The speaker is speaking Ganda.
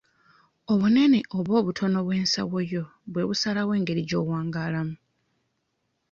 Obunene oba obutono bw'ensawo yo bwe busalawo engeri gy'owangaalamu.